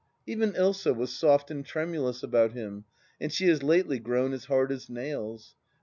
. Even Ilsa was soft and tremidous about him, and she has lately grown as hard as nails.